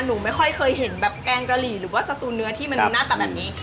หนูไม่ค่อยเคยเห็นแบบแกงกะหรี่หรือว่าสตูเนื้อที่มันดูหน้าตาแบบนี้